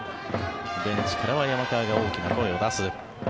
ベンチからは山川が大きな声を出す。